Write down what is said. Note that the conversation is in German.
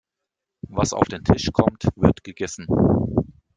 Was auf den Tisch kommt, wird gegessen.